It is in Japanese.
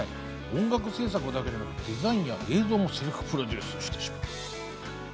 音楽制作だけじゃなくデザインや映像もセルフプロデュースしてしまう。